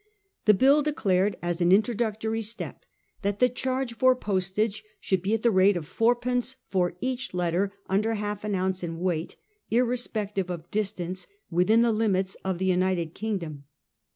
The bill declared, as an introductory step, that the charge for postage should be at the rate of four pence for each letter under half an ounce in weight, irrespective of distance, within the limits of the United Kingdom.